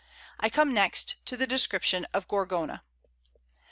I come next to the Description of Gorgona.